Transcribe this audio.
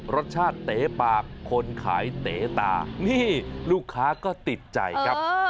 รสชาติเต๋ปากคนขายเต๋ตานี่ลูกค้าก็ติดใจครับ